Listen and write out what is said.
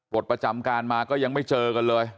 ประจำการมาก็ยังไม่เจอกันเลย